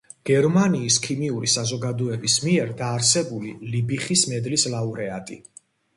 გერმანიის ქიმიური საზოგადოების მიერ დაარსებული ლიბიხის მედლის ლაურეატი.